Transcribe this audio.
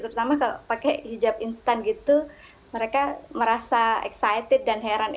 terutama kalau pakai hijab instan gitu mereka merasa excited dan heran